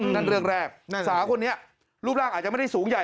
นั่นเรื่องแรกสาวคนนี้รูปร่างอาจจะไม่ได้สูงใหญ่